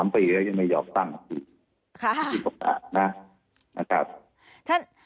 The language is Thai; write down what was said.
๓ปีแล้วยังไม่ยอมตั้งคือประกาศนะ